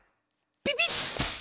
ピピッ！